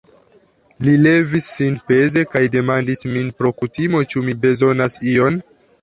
Li levis sin peze kaj demandis min, pro kutimo, ĉu mi bezonas ion.